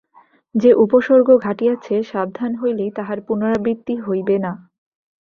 যে উপসর্গ ঘটিয়াছে সাবধান হইলেই তাহার পুনরাবৃত্তি হইবে না।